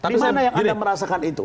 di mana yang anda merasakan itu